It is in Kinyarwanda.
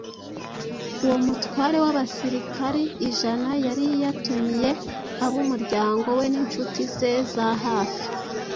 uwo mutware w’abasirikari ijana, “yari yatumiye ab’umuryango we n’incuti ze za hafi.”